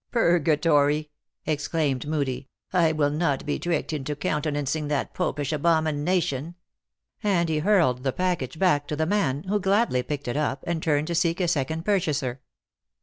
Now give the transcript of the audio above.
" Purgatory !" exclaimed Moodie, " I will not be tricked into countenancing that popish abomination ;" and he hurled the package back to the man, who glad THE ACTRESS IN HIGH LIFE. 175 ly picked it up, and turned to seek a second pur chaser.